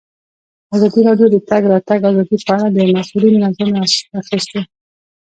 ازادي راډیو د د تګ راتګ ازادي په اړه د مسؤلینو نظرونه اخیستي.